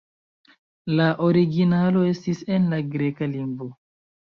La originalo estis en la greka lingvo.